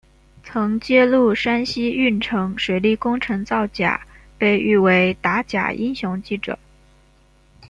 曾揭露山西运城水利工程造假被誉为打假英雄记者。